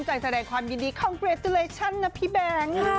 ใจแสดงความยินดีขอบคุณนะพี่แบงค์